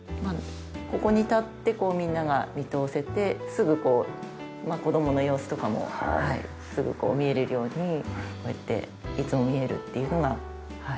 ここに立ってみんなが見通せてすぐこう子供の様子とかもすぐ見えるようにこうやっていつも見えるっていうのが。